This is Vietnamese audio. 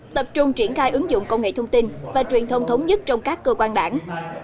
tập trung triển khai ứng dụng công nghệ thông tin và truyền thông thống nhất trong các cơ quan đảng